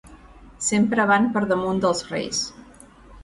Sempre van per damunt dels reis.